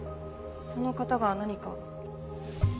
その方が何か？